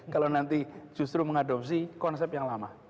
kalau nanti justru mengadopsi konsep yang lama